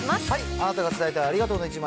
あなたが伝えたいありがとうの１枚。